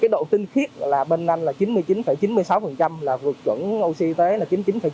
độ tinh khiết bên anh là chín mươi chín chín mươi sáu vượt chuẩn oxy y tế là chín mươi chín chín